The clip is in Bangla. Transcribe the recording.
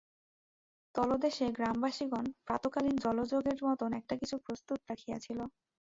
তলদেশে গ্রামবাসিগণ প্রাতঃকালীন জলযোগের মতন একটা কিছু প্রস্তুত রাখিয়াছিল।